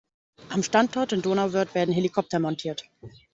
Am Standort in Donauwörth werden Helikopter montiert.